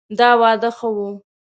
دا واده ښه ؤ